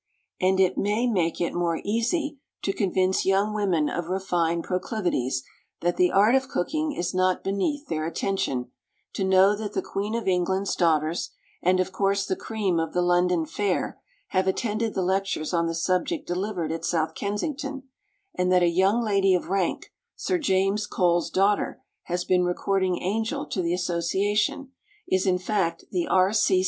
And it may make it more easy to convince young women of refined proclivities that the art of cooking is not beneath their attention, to know that the Queen of England's daughters and of course the cream of the London fair have attended the lectures on the subject delivered at South Kensington, and that a young lady of rank, Sir James Coles's daughter, has been recording angel to the association, is in fact the R.